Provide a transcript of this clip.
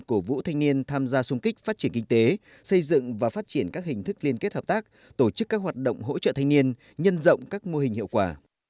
cổ vũ thanh niên tham gia xung kích phát triển kinh tế xây dựng và phát triển các hình thức liên kết hợp tác tổ chức các hoạt động hỗ trợ thanh niên nhân rộng các mô hình hiệu quả